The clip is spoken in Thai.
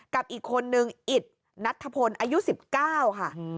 กับอีกคนนึงอิตนัทธพลอายุ๑๙ค่ะ